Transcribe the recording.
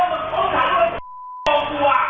คุณผู้ชมไปดูอีกหนึ่งเรื่องนะคะครับ